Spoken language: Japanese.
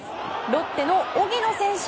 ロッテの荻野選手。